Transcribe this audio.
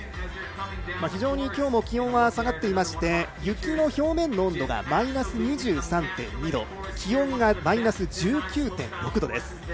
非常に今日も気温は下がっていまして雪の表面の温度がマイナス２３．２度気温がマイナス１９．６度です。